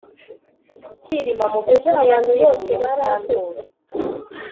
Kirima mubyukuri yakinguye Mukandoli